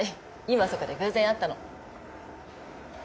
今そこで偶然会ったの。